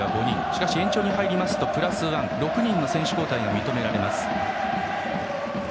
しかし延長に入りますとプラス１６人の選手交代が認められます。